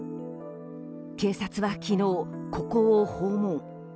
警察は昨日、ここを訪問。